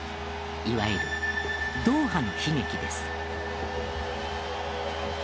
いわゆるドーハの悲劇です。